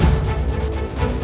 ini mah aneh